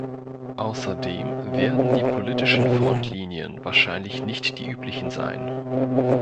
Außerdem werden die politischen Frontlinien wahrscheinlich nicht die üblichen sein.